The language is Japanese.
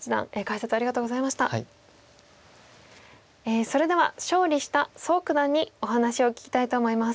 それでは勝利した蘇九段にお話を聞きたいと思います。